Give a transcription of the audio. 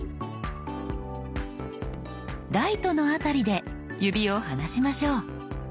「ライト」の辺りで指を離しましょう。